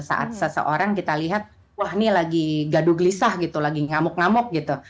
saat seseorang kita lihat wah ini lagi gaduh gelisah gitu lagi ngamuk ngamuk gitu